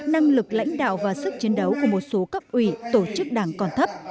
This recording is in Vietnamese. năng lực lãnh đạo và sức chiến đấu của một số cấp ủy tổ chức đảng còn thấp